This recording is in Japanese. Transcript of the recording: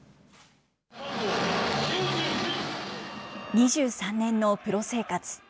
２３年のプロ生活。